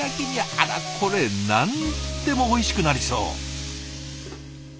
あらこれ何でもおいしくなりそう。